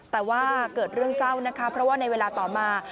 แต่ว่าเกิดเรื่องเศร้านะคะเพราะว่าในเวลาต่อมา